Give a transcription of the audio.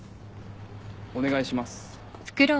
お願いします。